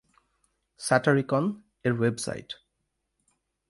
স্যাটারিকন-এর web site